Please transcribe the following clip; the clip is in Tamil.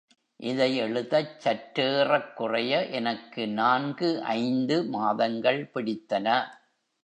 இதை எழுதச் சற்றேறக்குறைய எனக்கு நான்கு ஐந்து மாதங்கள் பிடித்தன.